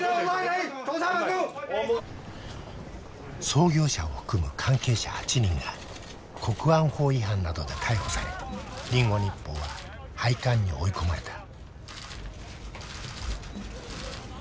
創業者を含む関係者８人が国安法違反などで逮捕されリンゴ日報は廃刊に追い込まれた。